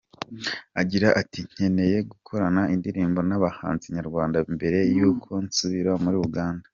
Agira ati “Nkeneye gukorana indirimbo n’abahanzi nyarwanda mbere y’uko nsubira muri Uganda.